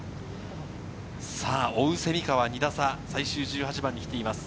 蝉川は２打差、最終１８番に来ています。